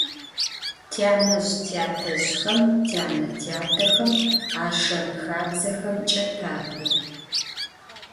Tyanezj - tyatezjxem, tyane - tyatexem a şşen - xabzexemç'e tap'u.